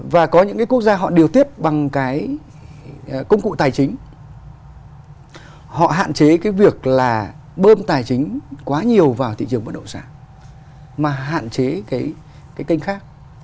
và có những cái quốc gia họ điều tiết bằng cái công cụ tài chính họ hạn chế cái việc là bơm tài chính quá nhiều vào thị trường bất động sản mà hạn chế cái kênh khác